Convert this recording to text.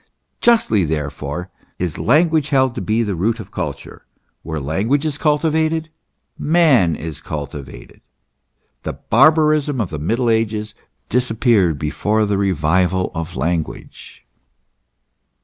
Justly therefore is language held to be the root of culture ; where language is cultivated, man is cultivated. The barbarism of the middle ages disappeared before the re vival of language.